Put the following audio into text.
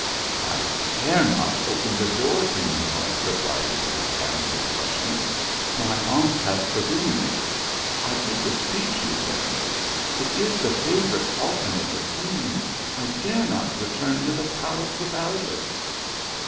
"I dare not open the door, Seiior," replied the little damsel, blushing ;" my aunt has forbidden it." " I do beseech you, fair maid ; it is the favourite falcon of the queen ; I dare not return to the palace without it."